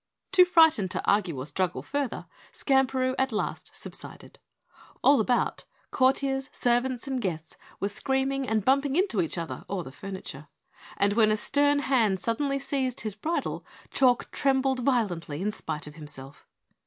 Too frightened to argue or struggle further, Skamperoo at last subsided. All about courtiers, servants, and guests were screaming and bumping into each other or the furniture, and when a stern hand suddenly seized his bridle, Chalk trembled violently in spite of himself.